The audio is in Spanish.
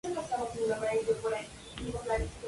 Fue Ayudante de Campo del Rey.